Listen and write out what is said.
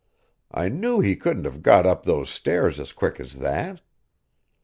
I knew he couldn't have got up those stairs as quick as that.